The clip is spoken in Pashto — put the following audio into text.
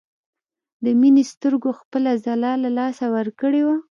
د مينې سترګو خپله ځلا له لاسه ورکړې وه